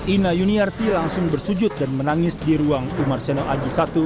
ina yuniarti langsung bersujud dan menangis di ruang umar seno aji satu